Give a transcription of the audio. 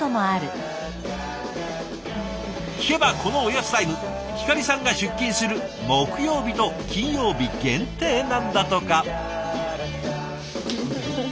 聞けばこのおやつタイムひかりさんが出勤する木曜日と金曜日限定なんだとか。